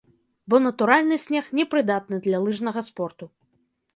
Бо натуральны снег не прыдатны для лыжнага спорту.